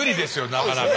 なかなか。